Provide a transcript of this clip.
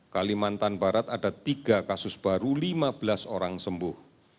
kalimantan barat ada tiga kasus baru lima belas orang sembuh